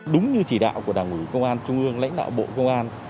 đúng như chỉ đạo của đảng ủy công an trung ương lãnh đạo bộ công an